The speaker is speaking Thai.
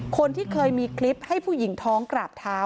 คนที่เคยมีคลิปให้ผู้หญิงท้องกราบเท้า